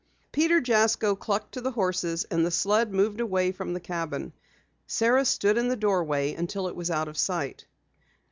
Peter Jasko clucked to the horses, and the sled moved away from the cabin. Sara stood in the doorway until it was out of sight.